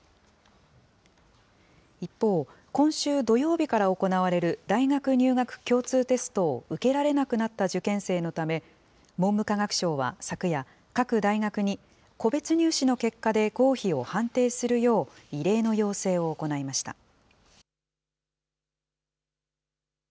一方、今週土曜日から行われる大学入学共通テストを受けられなくなった受験生のため、文部科学省は昨夜、各大学に、個別入試の結果で合否を判定するよう、異例の要請を行いました。